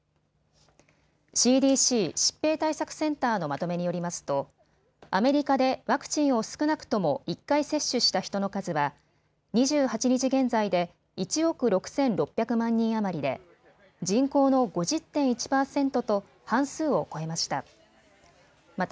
ＣＤＣ・疾病対策センターのまとめによりますとアメリカでワクチンを少なくとも１回接種した人の数は２８日現在で１億６６００万人余りで人口の５０．１％と半数を超えました。